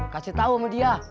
kasih tau sama dia